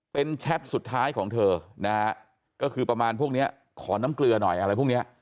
เป็นแชทสุดท้ายของเธอนะฮะก็คือประมาณพวกเนี้ยขอน้ำเกลือหน่อยอะไรพวกเนี้ย